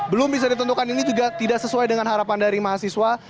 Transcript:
belum bisa ditentukan ini juga tidak sesuai dengan harapan dari mahasiswa